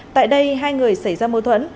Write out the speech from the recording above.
tại đây hai người xảy ra mối thuẫn